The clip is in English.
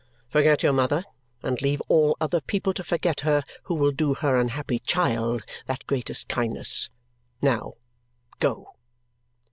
Forget your mother and leave all other people to forget her who will do her unhappy child that greatest kindness. Now, go!"